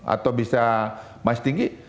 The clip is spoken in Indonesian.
atau bisa masih tinggi